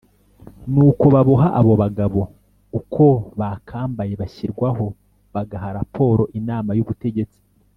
Nuko baboha abo bagabo uko bakambaye bashyirwaho bagaha raporo Inama y Ubutegtsi